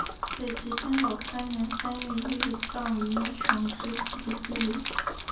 北齐天保三年三月一日葬于邺城之西的西陵。